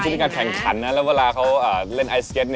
ในการแข่งขันนะแล้วเวลาเขาเล่นไอสเก็ต